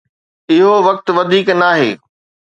اهو وقت وڌيڪ ناهي.